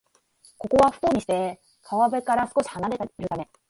ここは、不幸にして川辺から少しはなれているため